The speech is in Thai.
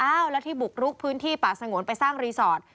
แล้วที่บุกรุกพื้นที่ป่าสงวนไปสร้างรีสอร์ท